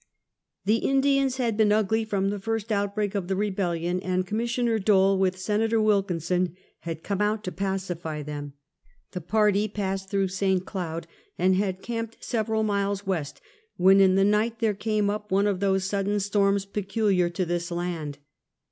The Indians had been ugly from the first outbreak of the Rebellion, and Commissioner Dole, with Senator Wilkinson, had come out to pacify them. The party passed through St. Cloud, and had camped several miles west, when in the night there came up one of those sudden storms peculiar to this laud.